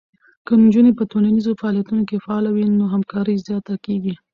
که نجونې په ټولنیزو فعالیتونو کې فعاله وي، نو همکاری زیاته کېږي.